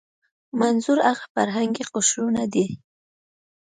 منظور هغه فرهنګي قشرونه دي.